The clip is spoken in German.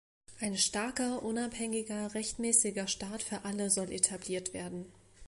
Ein starker, unabhängiger, rechtmäßiger Staat für alle soll etabliert werden.